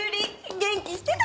元気にしてた？